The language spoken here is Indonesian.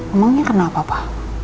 emangnya kenal papa